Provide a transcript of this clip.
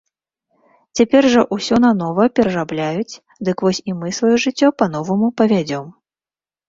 Цяпер жа ўсё нанова перарабляюць, дык вось і мы сваё жыццё па-новаму павядзём.